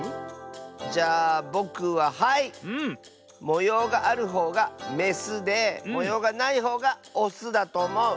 もようがあるほうがメスでもようがないほうがオスだとおもう。